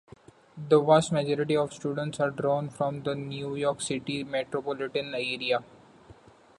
The vast majority of students are drawn from the New York City metropolitan area.